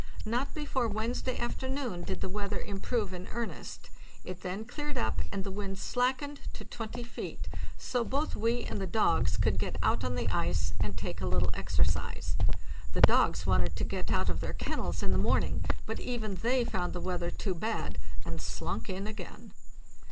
Not before Wednesday afternoon did the weather improve in earnest; it then cleared up, and the wind slackened to 20 feet, so both we and the dogs could get out on the ice and take a little exercise. The dogs wanted to get out of their kennels in the morning, but even they found the weather too bad, and slunk in again.